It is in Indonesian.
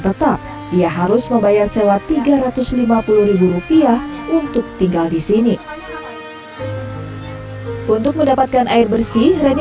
tetap ia harus membayar sewa tiga ratus lima puluh rupiah untuk tinggal di sini untuk mendapatkan air bersih rani